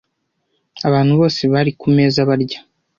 Abantu bose bari kumeza barya